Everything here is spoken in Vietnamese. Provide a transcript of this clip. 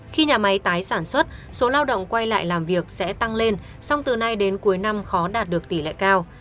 khi nhà máy tái sản xuất số lao động quay lại làm việc sẽ tăng lên song từ nay đến cuối năm khó đạt được tỷ lệ cao